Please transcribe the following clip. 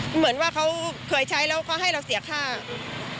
เหมือนว่าเคยใช้แล้วก็ให้เราเสียค่าบริการเอง